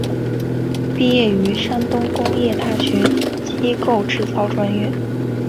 毕业于山东工业大学机械制造专业。